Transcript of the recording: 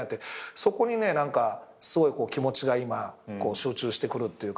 そこにねすごい気持ちが今集中してくるっていうかね。